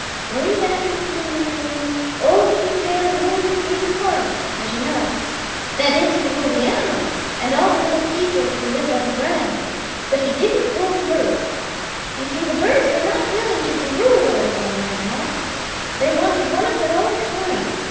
"Way back in the beginning of things, old King Bear ruled in the Green Forest, as you know. That is, he ruled the animals and all the little people who lived on the ground, but he didn't rule the birds. You see the birds were not willing to be ruled over by an animal. They wanted one of their own kind.